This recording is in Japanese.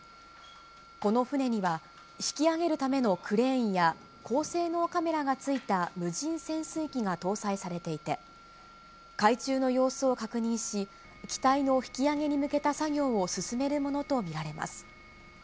この船には、引き揚げるためのクレーンや高性能カメラが付いた無人潜水機が搭載されていて、海中の様子を確認し、機体の引き揚げに向けた作業を進めるものと見られます。